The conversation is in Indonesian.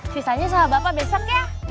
sisanya sama bapak besok ya